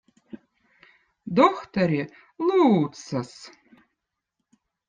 dohtõri Luuttsõz